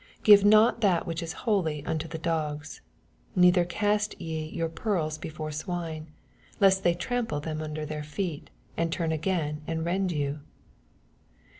6 Give not that which is holy xmto the dogs, neither cast ye your pearls before swine, lest they trample them under their feet, and turn again and rend you.